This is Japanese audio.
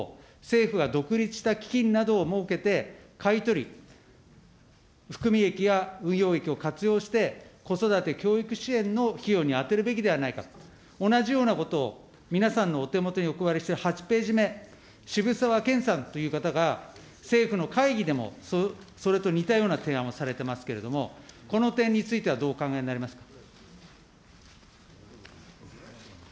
このもったいなくなっているＥＴＦを政府は独立した基金などを設けて、買い取り、含み益や運用益を活用して、子育て、教育支援の費用に充てるべきではないかと、同じようなことを皆さんのお手元にお配りしている８ページ目、しぶさわけんさんという方が、政府の会議でも、それと似たような提案をされていますけれども、この点についてはどうお考えになりますか。